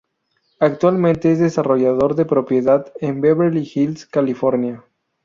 Actualmente, es desarrollador de propiedad en Beverly Hills, California.